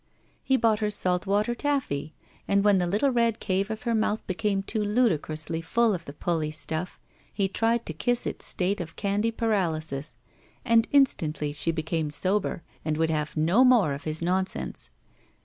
He bought her salt water taffy, and when the little red cave of her mouth became too ludicrously full of the pully stuff he tried to kiss its state of candy paralysis, and instantly she became sober and would have no more of his nonsense.